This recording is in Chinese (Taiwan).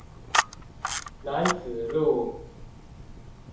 楠梓路